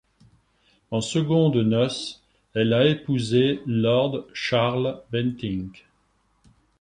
En secondes noces, elle a épousé Lord Charles Bentinck.